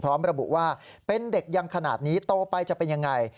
พร้อมระบุว่าเป็นเด็กยังขนาดนี้โตไปจะเป็นยังไง